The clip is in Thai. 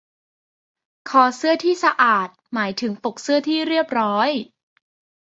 คอเสื้อที่สะอาดหมายถึงปกเสื้อที่เรียบร้อย